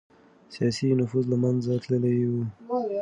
سياسي نفوذ له منځه تللی و.